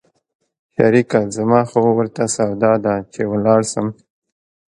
شريکه زما خو ورته سودا ده چې ولاړ سم.